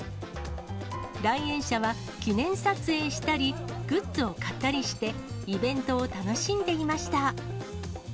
来園者は、記念撮影したり、グッズを買ったりして、イベントを楽しんでいました。